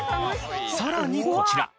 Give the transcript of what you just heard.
さらにこちら。